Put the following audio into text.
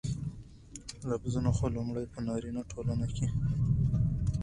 لفظونه خو لومړى په نارينه ټولنه کې